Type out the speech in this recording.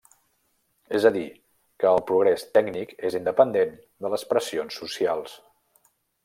És a dir, que el progrés tècnic és independent de les pressions socials.